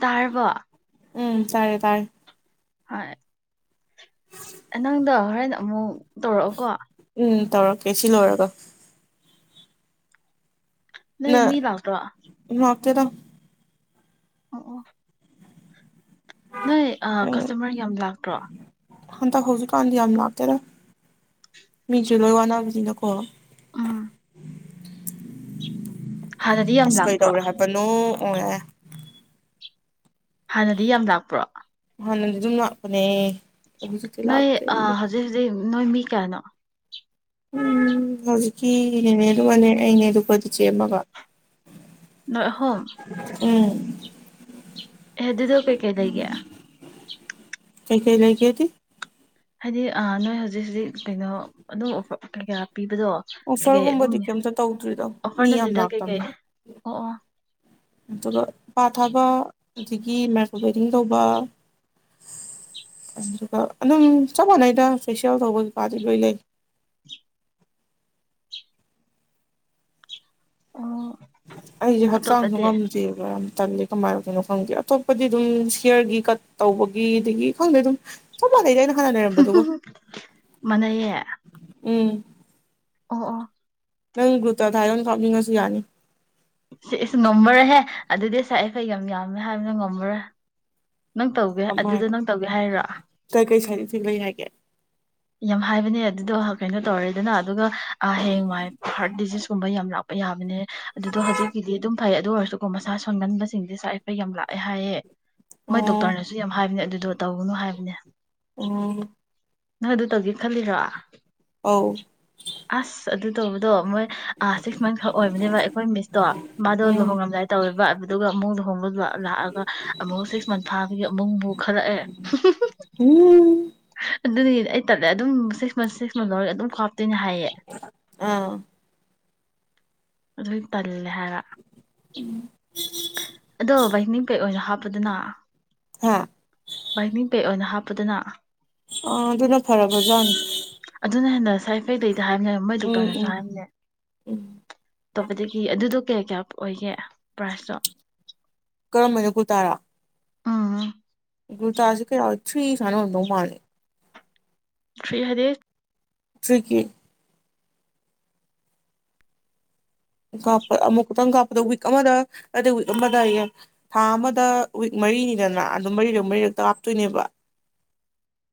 ꯇꯥꯔꯔꯕ ꯎꯝ ꯇꯥꯔꯦ ꯇꯥꯔꯦ ꯍꯥꯏ ꯍꯣꯔꯅ ꯑꯃꯨꯛ ꯇꯧꯔꯛꯑꯣꯀꯣ ꯎꯝ ꯇꯧꯔꯛꯀꯦ ꯁꯤ ꯂꯣꯏꯔꯒ ꯅ ꯃꯤ ꯂꯥꯛꯇ ꯆꯔꯣ ꯑꯣ ꯑꯣ ꯅꯣꯏ ꯑ ꯀꯥꯁꯇꯃꯔ ꯌꯥꯝ ꯂꯥꯛ ꯭ꯔꯣ ꯍꯟꯇ ꯍꯧꯖꯤꯛꯀꯥꯟꯗꯤ ꯌꯥꯝ ꯂꯥꯛꯇꯦꯔ ꯃꯤꯁꯨꯦ ꯂꯣꯏ ꯋꯥꯅꯥꯅꯕꯅꯤꯅꯀꯣ ꯎꯝ ꯍꯥꯟꯅꯗꯤ ꯌꯥꯝ ꯑꯁ ꯂꯥꯛꯄ꯭ꯔꯣ ꯀꯩꯗꯧꯔꯦ ꯍꯥꯏꯄꯅꯣ ꯑꯣ ꯍꯥꯟꯅꯗꯤ ꯌꯥꯝ ꯂꯥꯛꯄ꯭ꯔꯣ ꯍꯥꯟꯅꯗꯤ ꯑꯗꯨꯝ ꯂꯥꯛꯄꯅꯦ ꯍꯧꯖꯤꯛꯇꯤ ꯅꯣꯏ ꯂꯥꯛꯇ꯭ꯔꯦ ꯑ ꯍꯧꯖꯤꯛ ꯍꯧꯖꯤꯛ ꯅꯣꯏ ꯃꯤ ꯀꯌꯥꯅꯣ ꯎꯝ ꯍꯧꯖꯤꯛꯀꯤꯅꯦꯦꯅꯦ ꯂ ꯋꯥꯂꯦ ꯑꯩꯅꯦ ꯂꯨꯄꯥꯇ ꯆꯦꯃꯒ ꯍꯣ ꯎꯝ ꯑꯦ ꯑꯗꯨꯗ ꯀꯩ ꯀꯩꯗꯩꯒꯌꯥ ꯀꯩ ꯀꯩ ꯂꯩꯏ ꯀꯇ ꯍꯥꯏꯗꯤ ꯅꯣꯏ ꯍꯧꯖꯤꯛ ꯍꯧꯖꯤꯛ ꯀꯩꯅꯣ ꯑꯗꯨꯝ ꯀꯩ ꯀꯌꯥ ꯑꯣꯐꯔꯒꯨꯝꯕꯗꯤ ꯀꯩꯝꯇ ꯇꯧꯗ꯭ꯔꯤꯗꯣ ꯑꯣꯐꯔ ꯃꯤ ꯌꯥꯝ ꯅꯠꯇꯦꯗ ꯀꯩꯀꯩ ꯂꯥꯛꯇꯕꯅꯤ ꯑꯣ ꯑꯣ ꯑꯗꯨꯒ ꯄꯥ ꯊꯥꯕ ꯑꯗꯒꯤ ꯃꯥꯏꯀ꯭ꯔꯣ ꯕꯦꯗꯤꯡ ꯇꯧꯕ ꯑꯗꯨꯒ ꯑꯗꯨꯝ ꯆꯞ ꯃꯥꯟꯅꯩꯗ ꯐꯦꯁꯤꯌꯦꯜ ꯇꯧꯕꯒꯤꯩꯀꯥꯗꯤ ꯂꯣꯏ ꯂꯩ ꯑꯣ ꯑꯩꯁꯦ ꯍꯛꯆꯥꯡꯁꯨ ꯑꯇꯣꯞꯄꯗꯤ ꯉꯝꯗ꯭ꯦꯕ ꯌꯥꯝ ꯇꯜꯂꯤ ꯀꯃꯥꯏꯅ ꯇꯗꯅꯣ ꯈꯪꯗꯦ ꯑꯇꯣꯞꯄꯗꯤ ꯑꯗꯨꯝ ꯍꯌꯔꯒꯤ ꯀꯠ ꯇꯧꯕꯒꯤ ꯑꯗꯒꯤ ꯈꯪꯗꯦ ꯑꯗꯨꯝ ꯆꯞꯥꯟꯅꯩꯩꯅꯣ ꯃꯅꯦ ꯎꯝ ꯑ ꯑꯥ ꯅꯪ ꯒ꯭ꯔꯨꯇ ꯊꯥꯏꯌꯣꯅ ꯍꯥꯥꯎꯞꯅꯤꯡꯉꯁꯨ ꯌꯥꯅꯤ ꯁꯤ ꯑꯩꯁ ꯉꯝꯃꯔꯦꯍꯦ ꯑꯗꯨꯗꯤꯁꯥꯏꯦꯈꯩ ꯌꯥꯝ ꯌꯥꯝꯃꯦ ꯍꯥꯏꯕꯅ ꯉꯝꯃꯔꯦ ꯅꯪ ꯇꯧꯒꯦ ꯑꯗꯨꯗ ꯅꯪ ꯇꯧꯒꯦ ꯍꯥꯏꯔꯣ ꯁꯤ ꯂꯩ ꯍꯥꯏꯒꯦ ꯌꯥꯝ ꯍꯥꯏꯕꯅꯦ ꯑꯗꯨꯗꯣ ꯀꯩꯅꯣ ꯇꯧꯔꯦꯗꯅ ꯑꯗꯨꯒ ꯑꯦ ꯃꯥꯏ ꯍꯔꯠ ꯗꯤꯖꯖ ꯁꯨꯝꯕ ꯌꯥꯝ ꯂꯥꯛꯄ ꯌꯥꯕꯅꯦ ꯑꯗꯨꯗꯣ ꯍꯧꯖꯤꯛꯀꯤꯗꯤ ꯑꯗꯨꯝ ꯐꯩ ꯑꯗꯨ ꯑꯣꯏꯔꯁꯨꯀꯣ ꯃꯁꯥ ꯁꯣꯟꯍꯟꯕꯁꯤꯡꯁꯦ ꯁꯥꯏꯠ ꯏꯐꯦꯛ ꯌꯥꯝꯅ ꯂꯥꯛꯑꯦ ꯍꯥꯏꯌꯦ ꯃꯣꯏ ꯑꯣ ꯗꯣꯛꯇꯔꯅꯁꯨ ꯌꯥꯝ ꯍꯥꯏꯕꯅꯦ ꯑꯗꯨꯗꯣ ꯇꯧꯒꯅꯨ ꯍꯥꯏꯕꯅꯦ ꯑꯣ ꯅꯪ ꯑꯗꯨ ꯇꯧꯒꯦ ꯈꯜꯂꯤꯔ ꯑ ꯑꯁ ꯑꯗꯨ ꯇꯧꯕꯗꯣ ꯃꯣꯏ ꯁꯤꯛꯁ ꯃꯟꯁ ꯈꯛ ꯑꯣꯏꯕꯅꯦꯕ ꯑꯩꯈꯣꯏ ꯃꯤꯁꯇꯣ ꯃꯥꯗꯣ ꯎꯝ ꯂꯨꯍꯣꯡꯉꯝꯗꯥꯏ ꯇꯧꯋꯦꯕ ꯑꯗꯨꯒ ꯑꯃ ꯍꯣꯡ ꯂꯥꯛꯑꯒ ꯑꯃꯨꯛ ꯁꯤꯛꯁ ꯃꯟ ꯐꯥꯕꯒꯤ ꯑꯃꯨꯛꯕꯨ ꯈꯜꯂꯛꯑꯦ ꯎꯝ ꯑꯗꯨꯗꯤ ꯑꯩ ꯇꯠꯂꯦ ꯑꯗꯨꯝ ꯁꯤꯛꯁ ꯃꯟꯁ ꯁꯤꯛꯁ ꯃꯟ ꯂꯧꯔꯒ ꯑꯗꯨꯝ ꯇꯅ ꯍꯥꯏꯌꯦ ꯑꯥ ꯑꯗꯨꯝ ꯇꯜꯂꯦ ꯍꯥꯏꯔ ꯑꯗꯨꯅ ꯍꯥ ꯃꯅꯤꯡ ꯀꯩꯅ ꯍꯥꯞ ꯑꯗꯨꯗꯨꯅ ꯑ ꯑꯗꯨꯅ ꯐꯔꯔꯕꯖꯅꯤ ꯑꯗꯨꯅ ꯍꯟꯅ ꯁ ꯍꯥꯏꯐ ꯂꯩꯇꯦ ꯍꯥꯏꯕꯅꯦ ꯃꯣꯏ ꯗꯣꯛꯇꯔꯅꯁꯨ ꯎꯝ ꯍꯥꯏꯕꯅꯦ ꯎꯝ ꯑꯇꯣꯞꯄꯗꯒꯤ ꯑꯗꯨꯗ ꯀꯩ ꯀꯌꯥ ꯑꯣꯏꯒꯦ ꯄ꯭ꯔꯥꯏꯖꯇꯣ ꯀꯔꯝꯕꯅꯣ ꯀꯨꯜ ꯇꯥꯔꯥ ꯑꯥ ꯨꯔꯨꯇꯥꯁ ꯀꯔ ꯏꯊꯔꯤ ꯁꯅꯅ ꯃꯥꯂꯦ ꯊ꯭ꯔꯤ ꯍꯥꯏꯗꯤ ꯁꯤꯀꯤ ꯥꯞ ꯑꯃꯨꯛ ꯈꯛꯇꯪ ꯀꯥꯞꯄꯗ ꯋꯤꯛ ꯑꯃꯗ ꯑꯗꯩ ꯋꯤꯛ ꯑꯃꯗ ꯊꯥ ꯑꯃꯗ ꯋꯤꯛ ꯃꯔꯤꯅꯤꯗꯅ ꯑꯗꯨꯝ ꯃꯔꯤꯔꯛ ꯃꯔꯤꯔꯛꯇ ꯀꯥꯞꯇꯣꯏꯅꯦꯕ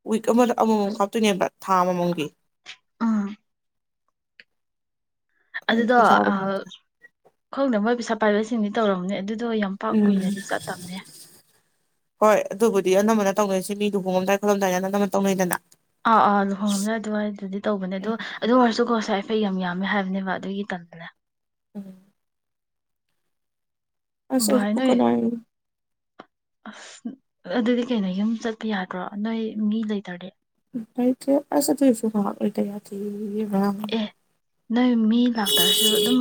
ꯋꯤꯛ ꯑꯃꯗ ꯑꯃꯃꯝ ꯀꯥꯞꯇꯣꯏꯅꯦꯕ ꯊꯥ ꯑꯃꯃꯝꯒꯤ ꯎꯝ ꯑꯗꯨꯗꯣ ꯄꯩꯁꯥꯗ ꯈꯣꯡꯗ ꯃꯣꯏ ꯄꯩꯁꯥ ꯄꯥꯏꯕꯁꯤꯡꯗꯤ ꯇꯧꯔꯝꯅꯤ ꯑꯗꯨ ꯑꯗꯣ ꯌꯥꯝ ꯄꯥꯛ ꯎꯝ ꯀꯨꯏꯅꯗꯤ ꯆꯠꯇꯕꯅꯦ ꯍꯣꯏ ꯑꯗꯨꯕꯨꯗꯤ ꯑꯅꯝꯕꯅ ꯇꯧꯅꯩꯁꯤ ꯃꯤꯗꯨ ꯍꯣꯡꯉꯝꯗꯥꯏ ꯈꯣꯠꯂꯝꯗꯥꯏꯗꯅ ꯑꯅꯝꯕꯅ ꯇꯧꯅꯩꯗꯅ ꯑꯥ ꯑꯥ ꯂꯨꯍꯣꯡꯕꯒ ꯑꯗꯨꯋꯥꯏꯗꯨꯗꯤ ꯇꯧꯕꯅꯦ ꯑꯗꯣ ꯎꯝ ꯑꯗꯨ ꯑꯣꯏꯔꯁꯨꯀꯣ ꯉꯁꯥꯏꯐꯩ ꯌꯥꯝ ꯃꯦ ꯍꯥꯏꯕꯅꯦꯕ ꯑꯗꯨꯒꯤ ꯇꯝꯗꯅꯦ ꯎꯝ ꯚꯥꯏ ꯑꯦꯕꯨ ꯅꯣꯏ ꯀꯅꯥ ꯑꯁ ꯑꯗꯨꯗꯤ ꯀꯩꯅꯣ ꯌꯨꯝ ꯆꯠꯄ ꯌꯥꯗ꯭ꯔꯣ ꯅꯣꯏ ꯃꯤ ꯂꯩꯇ꯭ꯔꯗꯤ ꯑꯩꯁ ꯊꯁꯨꯥꯇ ꯌꯥ ꯊ ꯑꯦ ꯅꯣꯏ ꯃꯤ ꯂꯥꯛꯇꯔꯁꯨ ꯑꯗꯨꯝ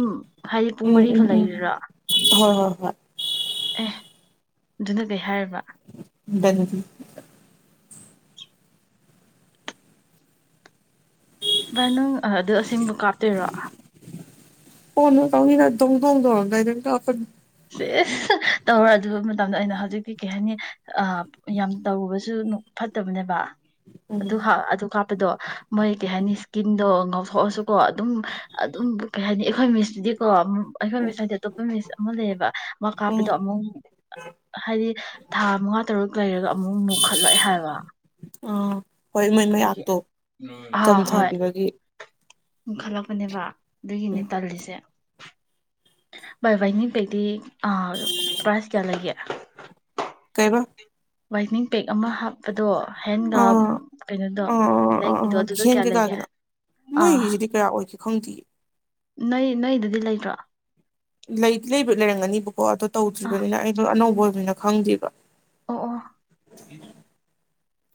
ꯍꯥꯏꯗꯤ ꯄꯨꯡ ꯎꯝ ꯎꯝ ꯃꯔꯤꯐꯥꯎ ꯎꯝ ꯂꯩꯔꯤꯔꯥ ꯍꯣꯏ ꯍꯣꯏ ꯍꯣꯏ ꯑꯦ ꯑꯗꯨꯅ ꯀꯩ ꯍꯥꯏꯔꯕ ꯦꯡ ꯅꯪ ꯑꯗꯨ ꯑꯁꯦꯡꯕ ꯀꯥꯞꯇꯣꯏꯔꯣ ꯍꯅ ꯀꯥꯎꯅꯤ ꯗꯣꯡ ꯗꯣꯡꯗꯔꯗ ꯇꯧꯔ ꯑꯗꯨ ꯃꯇꯝꯗ ꯑꯩꯅ ꯍꯧꯖꯤꯛꯇꯤ ꯀꯩ ꯍꯥꯏꯅꯤ ꯌꯥꯝ ꯇꯧꯔꯨꯕꯁꯨ ꯐꯠꯇꯕꯅꯦꯕ ꯑꯗꯨ ꯎꯝ ꯍꯥ ꯑꯗꯨ ꯀꯞꯄ ꯍꯥꯠꯄꯗꯣ ꯃꯣꯏ ꯀꯩ ꯍꯥꯏꯅꯤ ꯏꯁꯀꯤꯟꯗꯣ ꯉꯥꯎꯊꯣꯛꯑꯁꯨꯀꯣ ꯑꯗꯨꯝ ꯑꯗꯨꯝ ꯀꯩ ꯍꯥꯏꯅꯤ ꯑꯩꯈꯣꯏ ꯃꯤꯁꯇꯨꯗꯤꯀꯣ ꯑꯩꯈꯣꯏ ꯎꯝ ꯃꯤꯁ ꯍꯥꯏꯗꯤ ꯑꯇꯣꯞꯄ ꯃꯤꯁ ꯂꯩꯌꯦꯕ ꯃꯥ ꯀꯥꯞꯄꯗꯣ ꯎꯝ ꯑꯃꯨꯛ ꯍꯥꯏꯗꯤ ꯊꯥ ꯃꯉꯥ ꯇꯔꯨꯛ ꯂꯩꯔꯒ ꯑꯃꯨꯛ ꯃꯨꯛꯈꯠꯂꯣꯏ ꯍꯥꯏꯕ ꯎꯝ ꯍꯣꯏ ꯏꯃꯣꯏ ꯑꯗꯨꯒꯤ ꯃꯌꯥꯛꯇꯣ ꯆꯝꯊꯈꯤꯕꯒꯤ ꯎ ꯈꯜꯂꯛꯄꯅꯦꯕ ꯑꯗꯨꯒꯤꯅꯦ ꯎꯝ ꯇꯜꯂꯤꯁꯦ ꯚꯥꯏ ꯋꯥꯥꯏꯅꯤ ꯄꯩꯗꯤ ꯄ꯭ꯔꯥꯏꯖ ꯀꯌꯥ ꯂꯩꯒꯦ ꯀꯕ ꯋꯥꯏꯅꯤꯡ ꯄꯦꯛ ꯑꯃ ꯍꯥꯞꯄꯗꯣ ꯍꯦꯟꯒ ꯑꯥ ꯀꯩꯅꯣꯗꯣ ꯑꯥ ꯑꯥ ꯂꯥꯏꯛꯄꯗꯣ ꯑꯥ ꯑꯗꯨꯗꯣ ꯍꯦꯟ ꯀꯌꯥ ꯂꯩꯒꯦ ꯑꯥ ꯈꯪꯇ ꯅꯣꯏ ꯅꯣꯏꯗꯗꯤ ꯂꯩꯇ꯭ꯔꯣ ꯂꯩ ꯂꯩ ꯂꯩꯔꯝꯒꯅꯤꯕꯨ ꯀꯣ ꯑꯣ ꯑꯥ ꯇꯧꯗ꯭ꯔꯤꯕꯅꯤꯅ ꯑꯩꯗꯣ ꯑꯅꯧꯕ ꯍꯥꯏꯣꯏꯅ ꯈꯪꯗ꯭ꯔꯤꯕ ꯑꯣ ꯑꯣ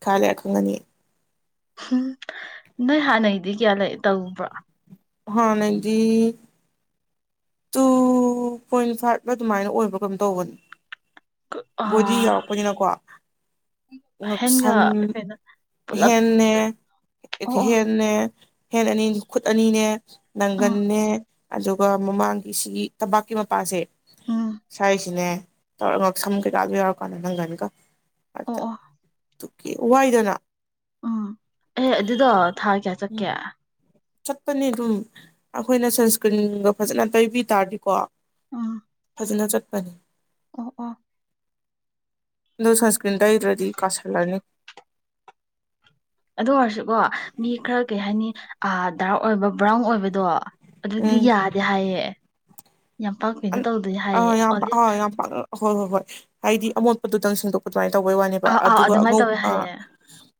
ꯀꯂ ꯌꯥ ꯀꯒꯅꯤꯦ ꯎꯝ ꯅꯣꯏ ꯍꯥꯟꯅꯩꯗꯤ ꯀꯌꯥ ꯂꯩ ꯇꯧꯕ꯭ꯔꯣ ꯍꯅꯒꯤ ꯇꯨ ꯄꯣꯏꯟ ꯐꯥꯏꯚꯅ ꯑꯗꯨꯃꯥꯏꯅ ꯑꯣꯏꯕ꯭ꯔꯥ ꯀꯩꯅꯝꯣ ꯇꯧꯕꯅꯤ ꯕꯣꯗꯤ ꯑꯥ ꯌꯥꯎꯔꯛꯄꯅꯤꯅꯀꯣ ꯉ ꯍꯦꯟꯒ ꯁꯝ ꯀꯩꯅꯣ ꯄꯨꯂꯞ ꯍꯦꯟꯅꯦ ꯑꯣ ꯑꯣ ꯍꯦꯟꯅꯦ ꯍꯦꯟ ꯑꯅꯤ ꯈꯨꯠ ꯑꯅꯤꯅꯦ ꯎꯝ ꯅꯪꯒꯟꯅꯦ ꯑꯗꯨꯒ ꯃꯃꯥꯡ ꯑꯩꯒꯤ ꯁꯤꯒꯤ ꯇꯕꯄꯥꯛꯀꯤ ꯃꯄꯥꯁꯦ ꯎꯝ ꯁ꯭ꯋꯥꯥꯏꯔꯤꯁꯤꯅꯦ ꯇꯧꯔ ꯁꯝ ꯀꯩꯀꯥꯗꯣ ꯌꯥꯎꯔꯀꯥꯟꯗ ꯅꯪꯒꯅꯤꯒ ꯑ ꯑꯣ ꯑꯣ ꯑꯣꯦ ꯋꯥꯏꯗꯅ ꯎꯝ ꯑꯦ ꯑꯗꯨꯗꯣ ꯊꯥ ꯀꯦ ꯎꯝ ꯆꯠꯀꯦ ꯆꯠꯄꯅꯤ ꯑꯗꯨꯝ ꯑꯩꯈꯣꯏꯅ ꯁꯟꯁꯀ꯭ꯔꯤꯟꯒ ꯐꯖꯅ ꯇꯩꯕꯤ ꯇꯥꯔꯗꯤꯀꯣ ꯑꯥ ꯆꯠꯄꯅꯤ ꯑꯣ ꯑ ꯂꯣꯁꯁ ꯄꯇꯏꯔꯗꯤ ꯀꯁꯂꯅꯤ ꯑꯗꯨꯗ ꯋꯥꯔꯁ ꯀꯣ ꯃꯤ ꯈꯔ ꯀꯩ ꯍꯥꯏꯅꯤ ꯑ ꯗꯥꯔꯛ ꯑꯣꯏꯕ ꯕ꯭ꯔꯥꯎꯟ ꯑꯣꯏꯕꯗꯣ ꯑꯗꯨꯗꯤ ꯎꯝ ꯌꯥꯗꯦ ꯍꯥꯏꯌꯦ ꯌꯥꯝ ꯄꯥꯛꯄꯤꯅ ꯇꯧꯗꯣꯏ ꯍꯥꯏꯌꯦ ꯑꯥ ꯌꯥꯝ ꯑꯣ ꯑꯥ ꯌꯥꯝ ꯄꯥꯛꯅ ꯍꯣꯏ ꯍꯣꯏ ꯍꯣꯏ ꯍꯥꯏꯗꯤ ꯑꯃꯣꯠꯄꯗꯨꯗꯪ ꯁꯦꯡꯗꯣꯛꯄ ꯁꯨꯃꯥꯏꯅ ꯇꯧꯕꯩ ꯋꯥꯅꯦꯕ ꯑꯥ ꯑꯥ ꯑꯗꯨꯒ ꯑꯗꯨꯃꯥꯏꯅ ꯑꯉꯧ ꯇꯧꯋꯦ ꯍꯥꯏꯌꯦ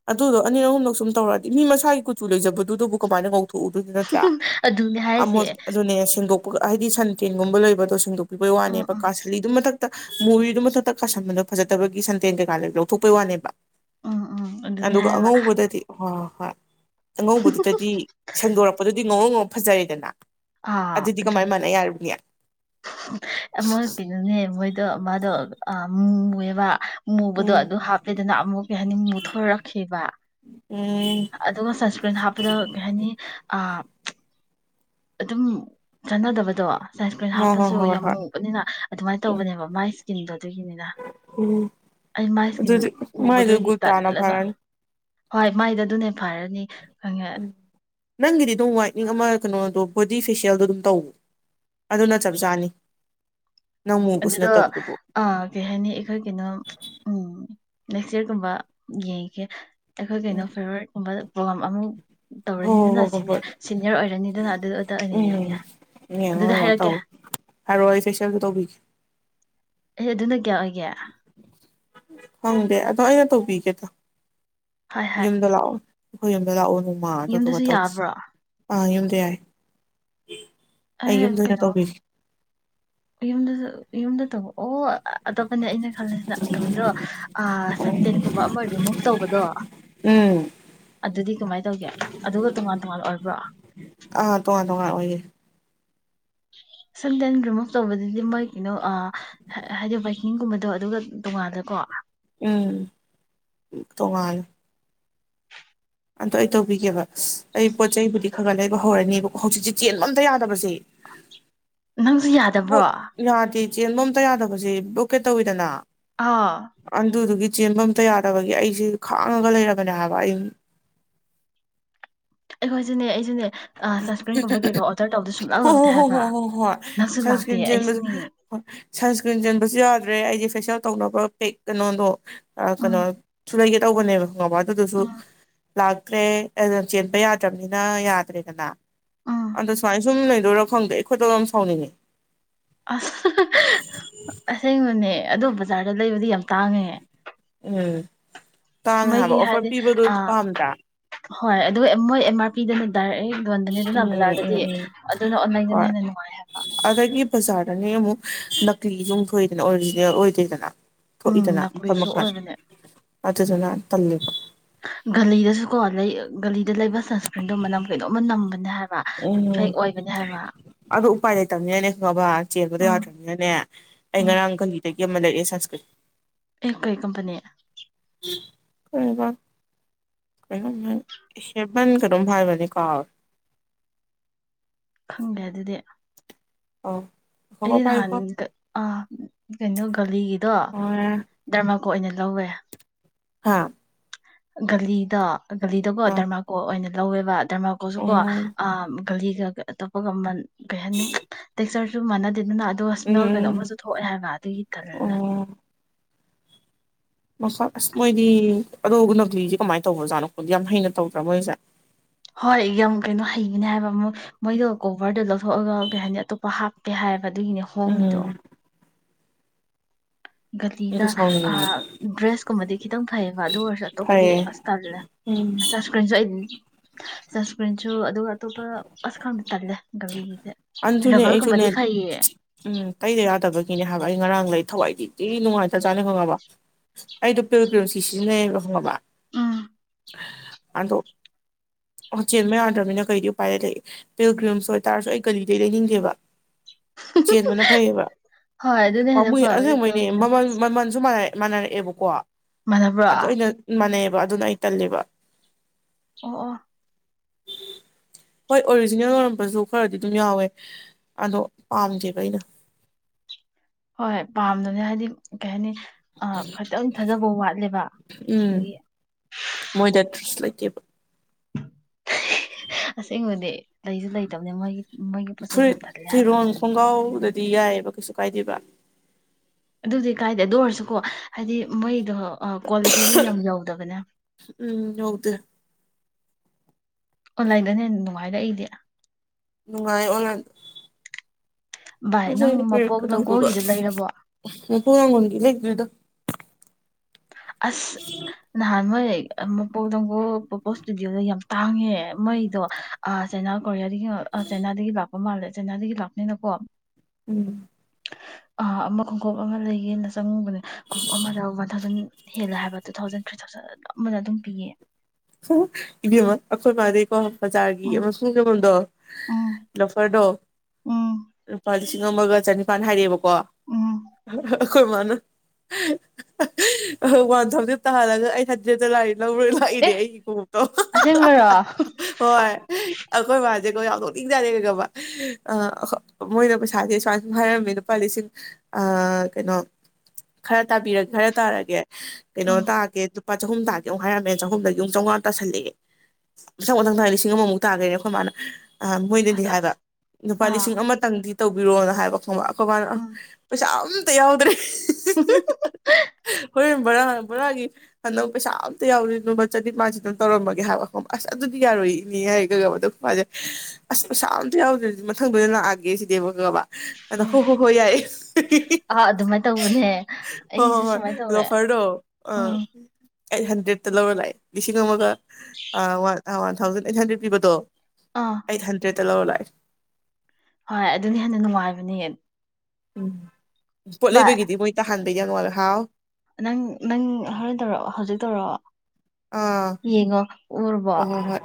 ꯑꯗꯨꯗꯣ ꯑꯅꯤꯔ ꯑꯍꯨꯝꯂꯛ ꯁꯨꯝ ꯇꯧꯔꯗꯤ ꯃꯤ ꯃꯁꯥꯒꯤ ꯀꯨꯆꯨ ꯂꯩꯖꯗꯨꯕꯨ ꯀꯃꯥꯏꯅꯧ ꯊꯎ ꯑꯗꯨꯗꯤ ꯅꯠꯇ꯭ꯔꯥ ꯑꯗꯨꯅꯦ ꯍꯥꯏꯔꯤꯁꯦ ꯑꯃꯣꯠ ꯑꯗꯨꯅꯦꯦꯡꯗꯣꯛ ꯍꯥꯏꯗꯤ ꯁꯟ ꯀꯦꯟꯒꯨꯝꯕ ꯂꯩꯕ ꯣ ꯁꯤ ꯕꯣꯏ ꯎꯝ ꯋꯥꯅꯦꯕ ꯎꯝ ꯀꯥꯁꯂꯤ ꯑꯗꯨꯝ ꯃꯊꯛ ꯃꯣꯔꯤꯗꯨ ꯃꯊꯛꯇ ꯀꯥꯁꯟꯕꯗꯨꯣ ꯐꯖꯕꯒꯤ ꯁꯟꯇꯦꯟ ꯀꯩꯀꯥ ꯂꯩ ꯂꯧꯊꯣꯛꯄꯩ ꯋꯥꯅꯦꯕ ꯎꯝ ꯎꯝ ꯑꯗꯨꯅꯦ ꯑꯗꯨꯒ ꯍꯥꯏꯕ ꯑꯉꯧꯕꯗꯗꯤ ꯍ ꯍꯣꯏ ꯑꯉꯧꯕꯗꯨꯗꯗꯤ ꯁꯟꯗꯣꯔꯛꯄꯗꯨꯗꯤ ꯉꯉꯧ ꯉ ꯐꯖꯔꯦꯗꯅ ꯑꯥ ꯑꯗꯨꯗꯤ ꯑꯗꯨ ꯀꯃꯥꯏ ꯃꯅ ꯌꯥꯔꯅꯤ ꯃꯣꯏ ꯀꯩꯅꯣꯅꯤ ꯃꯣꯏꯗꯣ ꯑ ꯎꯝꯕ ꯃꯨꯕꯗꯣ ꯎꯝ ꯑꯗꯨ ꯍꯥꯞꯄꯦꯗꯅ ꯑꯃꯨꯛ ꯀꯩ ꯍꯥꯏꯅꯤ ꯃꯨꯊꯣꯔꯛꯈꯤꯕꯕ ꯎꯝ ꯑꯗꯨꯒ ꯁꯟꯁꯀ꯭ꯔꯤꯟ ꯍꯥꯞꯄꯗ ꯀꯩ ꯍꯥꯏꯅꯤ ꯑ ꯑꯗꯨꯝ ꯆꯥꯟꯅꯗꯕꯗꯣ ꯁꯟ ꯏꯁꯀ꯭ꯔꯤꯟ ꯍꯣꯏ ꯍꯣꯏ ꯍꯥꯞꯄꯁꯨ ꯍꯣꯏ ꯌꯥꯝ ꯍꯣꯏ ꯃꯨꯕꯅꯤꯅ ꯑꯗꯨꯃꯥꯏꯅ ꯇꯧꯕꯅꯦꯕ ꯃꯥꯏ ꯏꯁꯀꯤꯟꯗꯣ ꯑꯗꯨꯒꯤꯅꯤꯅ ꯎꯝ ꯑꯩ ꯃꯥꯏ ꯏꯁꯀꯤꯟ ꯑꯗꯨꯗꯤ ꯃꯥꯏꯗꯨ ꯎꯕꯗꯨꯗꯒꯤ ꯒꯨꯜ ꯇꯥꯅ ꯇꯜꯂꯕ ꯐꯔꯅꯤ ꯍꯣꯏ ꯃꯥꯏꯗ ꯑꯗꯨꯅꯦ ꯐꯔꯅꯤ ꯈꯪꯉꯦ ꯎꯝ ꯅꯪꯒꯤꯗꯤ ꯑꯗꯨꯝ ꯋꯥꯏꯠꯅꯤꯡ ꯑꯃ ꯀꯩꯅꯣꯗꯣ ꯕꯣꯗꯤ ꯐꯦꯁꯤꯌꯦꯜꯗꯣ ꯑꯗꯨꯝ ꯇꯧꯕ ꯑꯗꯨꯅ ꯆꯞ ꯆꯥꯅꯤ ꯅꯪ ꯃꯨꯕꯁꯨ ꯑꯗꯨꯗꯣ ꯅꯠꯇꯕꯗꯨꯕꯨ ꯑ ꯀꯩ ꯍꯥꯏꯅꯤ ꯑꯩꯈꯣꯏꯒꯤꯅꯣ ꯎꯝ ꯅꯦꯛꯁ ꯏꯌ꯭ꯥꯔꯒꯨꯝꯕ ꯌꯦꯡꯉꯒꯦ ꯑꯩꯈꯣꯏ ꯀꯩꯅꯣ ꯎꯝ ꯐꯦꯚꯣꯔꯥꯏꯠꯀꯨꯝꯕ ꯑ ꯑꯃ ꯍꯣꯏ ꯇꯧꯔꯅꯤꯗꯅ ꯍꯣꯏ ꯍꯣꯏ ꯍꯣꯏ ꯁꯤꯅꯤꯌꯔ ꯁꯤꯅꯤꯌꯔ ꯑꯣꯏꯔꯅꯤꯗꯅ ꯑꯗꯨꯗꯨꯗ ꯑꯣꯏꯅ ꯎꯝ ꯌꯦꯡꯉꯦ ꯌꯦꯡꯉꯣ ꯑꯗꯨꯗ ꯌꯦꯡꯉꯣ ꯍꯥꯏꯔꯛꯀꯦ ꯇꯧ ꯍꯥꯏꯔꯛꯑꯣ ꯑꯩ ꯐꯦꯁꯤꯌꯦꯜꯗꯣ ꯇꯧꯕꯤꯒꯦ ꯑꯦ ꯑꯗꯨꯅ ꯀꯌꯥ ꯑꯣꯏꯒꯦ ꯈꯪꯗꯦ ꯑꯗꯣ ꯑꯩꯅ ꯇꯧꯕꯤꯒꯦꯗ ꯍꯣꯏ ꯍꯣꯏ ꯌꯨꯝꯗ ꯂꯥꯛ ꯑꯣ ꯑꯩꯈꯣꯏ ꯌꯨꯝꯗ ꯂꯥꯛꯑꯣꯅꯦ ꯌꯨꯝꯗꯁꯨ ꯌꯥꯕ꯭ꯔꯥ ꯑꯥ ꯌꯨꯝꯗ ꯌꯥꯏ ꯑꯩ ꯌꯨꯝꯗ ꯑꯣꯏꯅ ꯀꯩꯅꯣ ꯇꯧꯕꯤꯒꯦ ꯌꯨꯝꯗ ꯌꯨꯝꯗ ꯇꯧꯕꯣ ꯑꯣ ꯑꯇꯣꯞꯄꯅꯦ ꯑꯩꯅ ꯈꯜꯂꯤꯁꯤꯅ ꯀꯃꯤꯗꯣ ꯁꯟꯇꯦꯟꯀꯨꯝꯕ ꯑꯃ ꯔꯤꯃꯨꯚ ꯇꯧꯕꯗꯣ ꯎꯝ ꯑꯗꯨꯗꯤ ꯀꯃꯥꯏꯅ ꯇꯧꯒꯦ ꯑꯗꯨꯒ ꯇꯣꯉꯥꯟ ꯇꯣꯉꯥꯟ ꯑꯣꯏꯕ꯭ꯔꯣ ꯑꯥ ꯇꯣꯉꯥꯟ ꯇꯣꯉꯥꯟ ꯑꯣꯏꯒꯦ ꯁꯝꯗꯦꯟ ꯔꯤꯃꯨꯐ ꯇꯧꯕꯗꯗꯤ ꯃꯣꯏ ꯀꯩꯅꯣ ꯍꯥꯏꯗꯤ ꯕꯥꯏꯛꯀꯤꯡꯒꯨꯝꯕꯗꯣ ꯑꯗꯨꯒ ꯇꯣꯡꯉꯥꯜꯂꯀꯣ ꯎꯝ ꯇꯣ ꯉꯥꯜꯂꯦ ꯑꯝꯇ ꯑꯩ ꯇꯧꯕꯤꯒꯦꯕ ꯑꯩ ꯄꯣꯠ ꯆꯩꯕꯨꯗꯤ ꯈꯔ ꯈꯔ ꯂꯩꯕ ꯍꯧꯔꯅꯤꯕ ꯍꯧꯖꯤꯛꯁꯦ ꯆꯦꯟꯕ ꯑꯝꯇ ꯌꯥꯗꯕꯁꯦ ꯅꯪꯁꯨ ꯌꯥꯗꯕ꯭ꯔꯣ ꯄꯣꯠ ꯌꯥꯗꯦ ꯆꯦꯟꯕ ꯑꯥꯝꯇ ꯌꯥꯗꯕꯁꯦ ꯕ꯭ꯂꯣꯀꯦꯠ ꯇꯧꯋꯤꯗꯅ ꯑꯥ ꯑꯗꯨꯗꯨ ꯒꯤ ꯆꯦꯟꯕ ꯑꯝꯇ ꯌꯥꯗꯕꯒꯤ ꯑꯩꯁꯦ ꯈꯥꯡꯉꯒ ꯂꯩꯔꯕꯅꯦ ꯍꯥꯏꯕ ꯑꯩ ꯑꯩꯈꯣꯏꯁꯨꯅꯦ ꯑꯩꯁꯨꯅꯦ ꯑ ꯁꯁꯄꯦꯟ ꯇꯦ ꯇ ꯍ ꯍꯣꯏ ꯍꯣ ꯍꯣ ꯍꯣ ꯍꯣꯏ ꯂꯥꯛꯇꯦ ꯁꯟꯁꯀ꯭ꯔꯤꯟ ꯆꯦꯟꯕꯁꯨ ꯑꯩꯁꯨꯅꯤ ꯍ ꯁꯟꯁꯀ꯭ꯔꯤꯟ ꯆꯦꯟꯕ ꯑꯗꯨꯨ ꯌꯥꯗ꯭ꯔꯦ ꯑꯩꯗꯤ ꯐꯦꯁꯤꯌꯦꯜ ꯇꯧꯅꯕ ꯄꯦꯛ ꯀꯩꯅꯣꯗꯣ ꯀꯩꯅꯣ ꯎꯝ ꯁ ꯂꯩꯒꯦ ꯇꯧꯕꯅꯦꯕ ꯈꯪꯉꯕ ꯑꯗꯨꯗꯨꯁꯨ ꯎꯝ ꯂꯥꯛꯇ꯭ꯔꯦ ꯑꯗꯨ ꯆꯦꯟꯕ ꯌꯥꯗ꯭ꯔꯕꯅꯤꯅ ꯌꯥꯗ꯭ꯔꯦꯗꯅ ꯎꯝ ꯑꯗꯣ ꯁꯨꯃꯥꯏ ꯁꯨꯝ ꯂꯩꯗꯣꯏꯔꯣ ꯈꯪꯗꯦ ꯑꯩꯈꯣꯏꯠꯇꯧ ꯌꯥꯝ ꯁꯥꯎꯅꯤꯡꯉꯤ ꯑꯁ ꯑꯁꯦꯡꯕꯅꯦ ꯑꯗꯣ ꯕꯖꯥꯔꯗ ꯂꯩꯕꯗꯤ ꯌꯥꯝ ꯇꯥꯡꯉꯦ ꯎꯝ ꯇꯥꯡ ꯍꯥꯏꯕ ꯃꯣꯏꯒꯤ ꯑꯣꯐꯔ ꯍꯥꯏꯗꯤ ꯄꯤꯕꯗꯣ ꯑ ꯄꯥꯝꯗ꯭ꯔꯥ ꯍꯣꯏ ꯑꯗꯨ ꯃꯣꯏ ꯑꯦꯝ ꯑꯥꯔ ꯄꯤꯗꯅ ꯇꯥꯔꯛꯑꯦ ꯂꯣꯟꯕꯅꯤ ꯑꯗꯨꯅ ꯎꯝ ꯎꯝ ꯕꯖꯥꯔꯗꯗꯤ ꯎꯝ ꯑꯗꯨꯅ ꯑꯣꯟꯂꯥꯏꯗꯅ ꯍꯣꯏ ꯍꯦꯟꯅ ꯅꯨꯡꯉꯥꯏ ꯍꯥꯏꯕ ꯑꯗꯒꯤ ꯕꯖꯥꯔꯗꯅꯦ ꯑꯃꯨꯛ ꯅꯀꯂꯤ ꯁꯊꯣꯏꯗꯅ ꯑꯣꯔꯤꯖꯤꯅꯦꯜ ꯑꯣꯏꯗꯣꯏꯗꯅ ꯎꯝ ꯊꯣꯛꯏꯗꯅ ꯃꯈꯜ ꯅꯀꯂꯤꯁꯨ ꯃꯈꯜ ꯑꯣꯏꯕꯅꯦ ꯑꯗꯨꯗꯨꯅ ꯇꯜꯂꯤꯕ ꯒꯂꯤꯗꯁꯨ ꯀꯣ ꯂꯩ ꯒꯂꯤꯗ ꯂꯩꯕ ꯁꯟꯁꯀ꯭ꯔꯤꯟꯗꯣ ꯃꯅꯝ ꯀꯩꯅꯣꯝꯃ ꯅꯝꯕꯅꯦ ꯍꯥꯏꯕ ꯎꯝ ꯐꯦꯛ ꯑꯣꯏꯕꯅꯦ ꯍꯥꯏꯕ ꯑꯗꯨ ꯎꯄꯥꯏ ꯂꯩꯇꯕꯅꯤꯅꯅꯦ ꯕꯕꯥ ꯆꯦꯟꯕꯗꯣ ꯎꯝ ꯌꯥꯗ꯭ꯔꯕꯅꯤꯅꯅꯦ ꯑꯩ ꯎꯝ ꯉꯔꯥꯡ ꯀꯔꯤꯗꯒꯤ ꯌꯥꯝ ꯑꯃ ꯂꯩꯔꯌꯦ ꯁꯁꯀ꯭ꯔꯤ ꯑꯦ ꯀꯣꯏ ꯀꯝꯄꯅꯤ [unintelligible] ꯈꯪꯗꯦ ꯑꯗꯨꯗꯤ [unintelligible] ꯄꯥꯏꯌꯨꯀꯣ [unintelligible] [unintelligible] [unintelligible] ꯑ ꯀꯣꯏ ꯑꯣꯏꯅ ꯂꯧꯋꯦ ꯍꯥꯥ [unintelligible] ꯒꯂꯤꯗꯀꯣ ꯗꯔꯃꯥ ꯀꯣ ꯑꯣꯏꯅ ꯂꯧꯋꯦꯕ ꯎꯝ [unintelligible] ꯒꯂꯤꯒ ꯑꯇꯣꯞꯄꯒ ꯃꯃꯟ [unintelligible] [unintelligible] ꯑꯗꯨꯗꯨꯅ ꯑꯗꯨꯒ ꯎꯝ ꯏꯁꯃꯦꯜ ꯀꯩꯅꯣꯝ ꯑꯃꯁꯨ ꯎꯝ ꯊꯣꯛꯑꯦ ꯍꯥꯏꯕ ꯑꯗꯨꯒꯤ ꯇꯍꯜꯂꯦ ꯑꯣ ꯃꯣꯏꯗꯤ ꯑꯗꯣ ꯅꯒꯂꯤꯁꯦ ꯀꯃꯥꯏꯅ ꯇꯧꯕ꯭ꯔꯖꯥꯠꯅꯣꯣꯗꯤ ꯌꯥꯝ ꯍꯩꯅ ꯇꯧꯗ꯭ꯔꯥ ꯃꯣꯏꯁꯦ ꯍꯣꯏ ꯌꯥꯝ ꯀꯩꯅꯣ ꯍꯩꯒꯅꯦ ꯍꯥꯏꯕ ꯑꯃ ꯃꯣꯏꯗꯣ ꯀꯣꯚꯔꯗꯣ ꯂꯧꯊꯣꯛꯑꯒ ꯀꯩ ꯍꯥꯏꯅꯤ ꯑꯇꯣꯞꯄ ꯍꯥꯞꯇꯦ ꯍꯥꯏꯕ ꯑꯗꯨꯒꯤꯅꯦ ꯍꯣꯡꯉꯤꯗꯣ ꯎꯝ ꯒꯥꯗꯤꯗ ꯑꯩꯗꯤ ꯁꯥꯎꯅꯤꯡꯉꯦ ꯗ꯭ꯔꯦꯁ ꯀꯨꯝꯕꯗꯤ ꯈꯤꯇꯪ ꯐꯩꯌꯦꯕ ꯑꯗꯨ ꯑꯣꯏꯔꯁꯨ ꯑꯇꯣꯞꯄꯗꯤ ꯐꯩꯌꯦ ꯑꯁ ꯇꯜꯂꯦ ꯎꯝ ꯑꯁ ꯁꯟꯁꯀ꯭ꯔꯤꯟꯁꯨ ꯑꯩ ꯁꯟꯁꯀ꯭ꯔꯤꯟꯁꯨꯁꯨ ꯑꯗꯨ ꯑꯇꯣꯞ ꯍꯁꯀꯥꯇꯥꯔꯗꯦ ꯑꯗꯨꯟꯅꯦ ꯑꯩꯁꯨꯅꯦ ꯐꯩꯌꯦ ꯎꯝ ꯇꯩꯗ ꯌꯥꯗꯕꯒꯤꯅꯦ ꯍꯥꯏꯕ ꯑꯩ ꯉꯔꯥꯡ ꯂꯩ ꯊꯋꯥꯏꯗꯤꯗꯤ ꯅꯨꯡꯉꯥꯏꯇꯖꯥꯠꯅꯤ ꯈꯪꯉꯕ ꯑꯩꯗꯣ ꯄꯤ ꯄꯣ ꯁꯤ ꯁꯤꯖꯤꯟꯅꯩꯕ ꯈꯪꯉꯕ ꯎꯝ ꯑꯗꯣ ꯆꯦꯟꯕ ꯌꯥꯗ꯭ꯔꯅꯤꯅ ꯀꯩꯗꯤ ꯎ ꯄꯥꯏꯔ ꯂꯩ ꯀ꯭ ꯑꯣꯏꯇꯥꯥꯔꯁꯨ ꯑꯩ ꯀꯔꯤꯗꯩ ꯂꯩꯅꯤꯡꯒꯦꯕ ꯆꯦꯟꯕꯅ ꯐꯩꯌꯦꯕ ꯍꯣꯏ ꯑꯗꯨꯅ ꯍꯦꯟꯅ ꯄꯥꯝꯕꯨ ꯑꯗꯨ ꯐꯕꯅꯦ ꯃꯩꯅꯦ ꯃꯃꯜ ꯕꯦꯜꯖꯤꯌꯝꯒꯤꯁꯦ ꯃꯃꯜꯁꯨꯅꯔꯦ ꯃꯥꯟꯅꯕ꯭ꯔꯣ [unintelligible] ꯑꯗꯣ ꯑꯣ ꯑꯩꯅ ꯃꯅꯦ ꯑꯗꯨꯅ ꯑꯩ ꯇꯜꯂꯤꯕ ꯑꯣ ꯍꯣꯏ ꯑꯣꯔꯤꯖꯤꯅꯦꯜ ꯑꯣꯏꯔꯝꯕꯁꯨ ꯈꯔꯗꯤ ꯑꯗꯨꯝ ꯌꯥꯎꯋꯦ ꯑꯗꯣ ꯄꯥꯝꯗꯦꯕ ꯑꯩꯅ ꯍꯣꯏ ꯄꯥꯝꯗꯨꯅꯦ ꯍꯥꯏꯗꯤ ꯀꯅꯤ ꯑ ꯈꯇꯪ ꯊꯥꯖꯕ ꯋꯥꯠꯂꯦꯕ ꯎꯝ ꯑꯗꯒꯤ ꯞ ꯑꯁꯦꯡꯕꯗꯤ ꯂꯩꯁꯨ ꯂꯩꯇꯕꯅꯦ ꯃꯣꯏꯒꯤ ꯃꯣꯏꯒꯤ ꯄꯣꯠ ꯐꯔꯤ ꯆꯩꯁꯨ ꯇꯜꯂꯦ ꯍꯥꯏꯕ ꯐꯤꯔꯣꯟ ꯈꯣꯡꯒꯥꯎ ꯗꯤ ꯌꯥꯏꯑꯕ ꯀꯩꯁꯨ ꯀꯥꯏꯗꯦꯕ ꯑꯗꯨꯗꯤ ꯀꯥꯏꯗꯦ ꯑꯗꯨ ꯑꯣꯏꯔꯁꯨꯀꯣ ꯍꯥꯏꯗꯤ ꯃꯩꯗ ꯀ꯭ꯋꯥꯂꯤꯇꯤꯁꯨ ꯌꯥꯝ ꯌꯥꯎꯗꯕꯅꯦ ꯎꯝ ꯌꯧꯗꯦ ꯑꯣꯟꯂꯥꯏꯟꯗꯅ ꯍꯦꯟꯅ ꯅꯨꯡꯉꯥꯏꯔꯛꯏꯗꯤ ꯅꯨꯡꯉꯥꯏ ꯑꯣꯟ ꯚꯥꯏ ꯅꯪ ꯑꯁꯗꯤ ꯃꯄꯣꯛ ꯄꯤꯔꯀ ꯇꯧꯕꯒ ꯂꯝꯒꯣꯜꯒꯤꯗꯣ ꯂꯩꯔꯕꯣ ꯃ ꯄꯨꯅꯃꯣꯟꯒꯤ ꯂꯩꯈ꯭ꯔꯤꯗ ꯑꯁ ꯅꯍꯥꯟꯃꯣꯏꯌꯦꯛ ꯃꯄꯣꯛꯇꯪꯒꯣ ꯄꯄꯣꯛ ꯏꯁꯇꯨꯗꯤꯑꯣꯗꯣ ꯌꯥꯝ ꯇꯥꯡꯉꯦ ꯃꯩꯗꯣ ꯆꯩꯅꯥ ꯀꯗꯒꯤ ꯑ ꯆꯦꯟꯗꯥꯗꯒꯤꯕ ꯃꯃꯜꯗ ꯆꯅꯥꯗꯒꯤ ꯂꯥꯛꯄꯅꯀꯣ ꯎꯝ ꯑ ꯑꯃ ꯈꯣꯡꯀꯞ ꯑꯃ ꯂꯩꯒꯦꯅ ꯆꯪꯉꯨꯕꯅꯦ ꯈꯣꯡꯎꯞ ꯑꯃꯗ ꯋꯥꯟ ꯊꯥꯎꯖꯟ ꯍꯦꯜꯂꯦ ꯍꯥꯏꯕ ꯇꯨ ꯊꯥꯎꯖꯟ ꯊ꯭ꯔꯤ ꯊꯥꯎꯖꯟ ꯑꯗꯨꯝ ꯑꯃꯗ ꯑꯗꯨꯝ ꯄꯤꯌꯦ ꯏꯃ ꯑꯈꯣꯏ ꯃꯥꯦ ꯑꯣ ꯕꯖꯥꯔꯒꯤ ꯎꯝ ꯑꯃꯁꯨꯡ ꯀꯩꯅꯣꯟꯗꯣ ꯎꯝ ꯂꯣꯐꯔꯗꯣ ꯎꯝ ꯂꯨꯄꯥ ꯂꯤꯁꯤꯡ ꯑꯃꯒ ꯆꯅꯤꯄꯥꯟ ꯍꯥꯏꯔꯛꯑꯦꯕ ꯀꯣ ꯎꯝ ꯑꯩꯈꯣꯏ ꯃꯥꯅ ꯋꯥꯟ ꯊꯥꯎꯖꯟ ꯇꯥꯍꯜꯂꯒ ꯑꯩꯠ ꯍꯟꯗꯔ꯭ꯦꯗꯇ ꯂꯥꯛꯏ ꯂꯧꯔ ꯑꯦ ꯂꯥꯛꯏꯅꯦ ꯑꯁꯦꯡꯕꯔꯣ ꯍꯣꯏ ꯑꯈꯣꯏ ꯃꯥ ꯖꯦꯀꯣ ꯌꯥꯝ ꯅꯣꯛꯅꯤꯡꯖꯥꯠꯅꯦ ꯈꯪꯕ꯭ꯔꯥ ꯃꯣꯏꯅ ꯄꯩꯁꯥꯁꯦ ꯁꯨꯃꯥꯏ ꯁꯨꯝ ꯍꯥꯏꯔꯝꯃꯦ ꯂꯨꯄꯥ ꯂꯤꯁꯤꯡ ꯀꯩꯅꯣ ꯈꯔ ꯇꯥꯕꯤꯔ ꯈꯔ ꯇꯥꯔꯒꯦ ꯀꯩꯅꯣ ꯎꯝ ꯇꯥꯒꯦ ꯂꯨꯄꯥ ꯆꯍꯨꯝ ꯇꯥꯒꯦ ꯑꯃꯨꯛ ꯍꯥꯏꯔꯝꯃꯦ ꯆꯍꯨꯝꯗꯩꯩ ꯌꯨꯝ ꯆꯥꯝꯃꯉꯥ ꯇꯥꯁꯜꯂꯛꯑꯦ ꯃꯊꯪ ꯃꯊꯪ ꯇꯥꯏ ꯂꯤꯁꯤꯡ ꯑꯃꯃꯨꯛ ꯇꯥꯈꯔꯦ ꯑꯩꯈꯣꯏ ꯃꯥꯅ ꯑ ꯃꯣꯏꯅꯗꯤ ꯑꯁ ꯍꯥꯏꯕ ꯑꯁ ꯂꯨꯄꯥ ꯑꯥ ꯂꯤꯁꯤꯡ ꯑꯃꯇꯪꯗꯤ ꯇꯧꯕꯤꯔꯣꯅ ꯍꯥꯏꯕ ꯈꯪꯕ ꯑꯩꯈꯣꯏ ꯃꯥꯅ ꯎꯝ ꯄꯩꯁꯥ ꯑꯝꯇ ꯌꯥꯎꯗ꯭ꯔꯦ [unintelligible] ꯍꯣꯔꯦꯟ ꯕꯣꯔꯥ ꯚꯔꯥꯒꯤ ꯍꯟꯅꯕ ꯄꯩꯁꯥ ꯑꯝꯇ ꯌꯥꯎꯗꯔ꯭ꯦ ꯆꯅꯤꯄꯥꯟꯁꯤꯇꯪ ꯇꯧꯔꯝꯃꯒꯦ ꯍꯥꯏꯕ ꯑꯁ ꯑꯗꯨꯗꯤ ꯌꯥꯔꯣꯏ ꯏꯅꯦ ꯍꯥꯏꯌꯦ [unintelligible] ꯑꯗꯣ ꯃꯥꯁꯦ ꯑꯁ ꯄꯩꯁꯥ ꯑꯝꯇ ꯌꯥꯎꯗ꯭ꯔꯗꯤ ꯃꯊꯪꯗ ꯂꯥꯛꯑꯒꯦ ꯁꯤꯅꯦꯕ ꯈꯪꯉꯕꯥ ꯑꯗ ꯎꯝ ꯍꯣ ꯍꯣ ꯍꯣꯏ ꯌꯥꯏꯌꯦ ꯑꯥ ꯑꯗꯨꯃꯥꯏꯅ ꯇꯧꯕꯅꯦ ꯍꯣ ꯍꯣ ꯑꯩꯁꯨ ꯍꯣꯏ ꯁꯨꯃꯥꯏꯅ ꯇꯧꯋꯦ ꯂꯣꯐꯔꯗꯣ ꯑ ꯎꯝ ꯑꯩꯠ ꯍꯟꯗ꯭ꯔꯦꯗꯇ ꯂꯧꯔ ꯂꯥꯛꯑꯦ ꯂꯤꯁꯤꯡ ꯑꯃꯒ one one thousand eight hundred ꯄꯤꯕꯗꯣ ꯑꯥ ꯑꯩꯠ ꯍꯟꯗ꯭ꯔꯦꯠ ꯇꯂꯧ ꯂꯏ ꯍꯣꯏ ꯑꯗꯨꯅ ꯍꯦꯟꯅ ꯅꯨꯡꯉꯥꯏꯕꯅꯦꯌꯦ ꯎ ꯄꯣꯠ ꯂꯩꯕꯒꯤꯗꯤ ꯃꯣꯏ ꯇꯥꯍꯟ [unintelligible] ꯍꯥꯎ ꯅꯪ ꯅꯪ ꯍꯣꯔꯦꯟ ꯇꯧꯔꯛꯑꯣ ꯍꯧꯖꯤꯛ ꯇꯧꯔꯛꯑꯣ ꯑꯥ ꯌꯦꯡꯉꯣ ꯎꯔꯕꯣ ꯍꯣꯏ ꯍꯣꯏ ꯍꯣꯏ